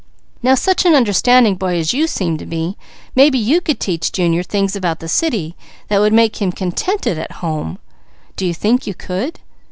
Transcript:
Now such an understanding boy as you seem to be, maybe you could teach Junior things about the city that would make him contented at home. Do you think you could?"